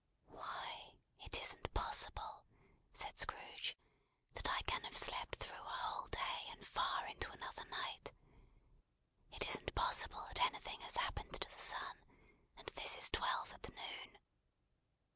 "Why, it isn't possible," said Scrooge, "that I can have slept through a whole day and far into another night. It isn't possible that anything has happened to the sun, and this is twelve at noon!"